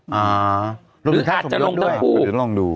หรืออาจจะลงทั้งคู่